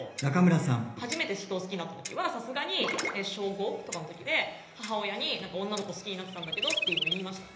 初めて人を好きになった時はさすがに小５とかの時で母親に「女の子を好きになったんだけど」っていうのを言いました。